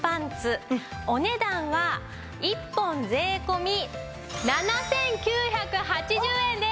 お値段は１本税込７９８０円です！